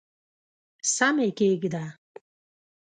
سم یې کښېږده !